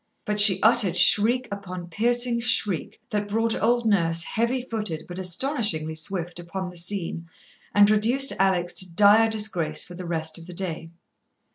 But she uttered shriek upon piercing shriek that brought old Nurse, heavy footed but astonishingly swift, upon the scene, and reduced Alex to dire disgrace for the rest of the day.